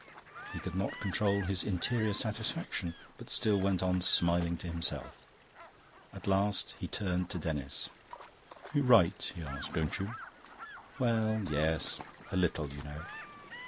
He could not control his interior satisfaction, but still went on smiling to himself. At last he turned to Denis. "You write," he asked, "don't you?" "Well, yes a little, you know."